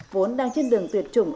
vốn đang trên đường tuyệt chủng